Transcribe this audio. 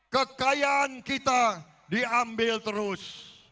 kekayaan kita diambil terus